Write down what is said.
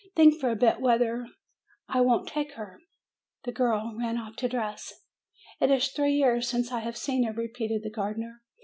Think for a bit whether I won't take her !" The girl ran off to dress. "It is three years since I have seen her!" repeated the gardener.